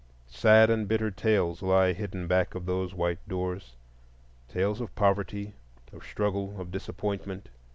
Sad and bitter tales lie hidden back of those white doors,—tales of poverty, of struggle, of disappointment.